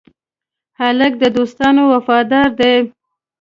هلک د دوستانو وفادار دی.